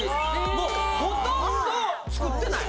もうほとんど作ってない。